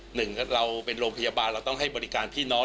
หนึ่งเราเป็นโรงพยาบาลเราต้องให้บริการพี่น้อง